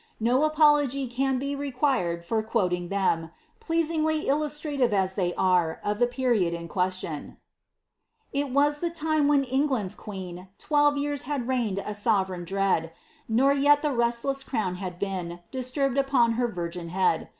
No apology can be required for quoting theniy pleasingly illustrative as they are of the period in quee tioo: —!! was tbe time when £ngland*s queen TweWe jean had reign'd a Borereign dread, Nor jet the reitlesB crown had been Plsturb'd apon her virgin head.